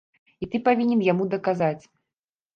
І ты павінен яму даказаць!